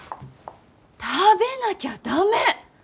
食べなきゃ駄目！